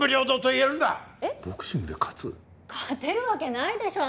勝てるわけないでしょ